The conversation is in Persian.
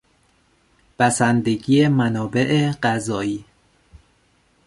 بسندگی منابع غذایی